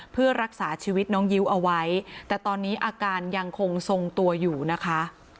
เพื่อรักษาชีวิตน้องยิ้วเอาไว้แต่ตอนนี้อาการยังคงทรงตัวอยู่นะคะ